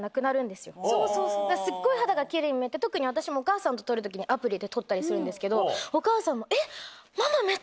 すっごい肌がキレイに見えて特に私もお母さんと撮る時にアプリで撮ったりするんですけどお母さんも「えっ」。